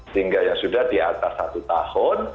sehingga yang sudah di atas satu tahun